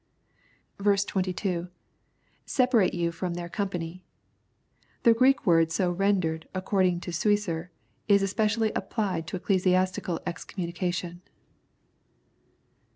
22. — [Separate you from their company.] The Greek word so ren dered, according to Suicer, is especially applied to ecclesiastical excommunication.